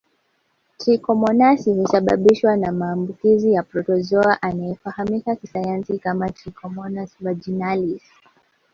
Trikomonasi husababishwa na maambukizi ya protozoa anayefahamika kisayansi kama trichomonas vaginalis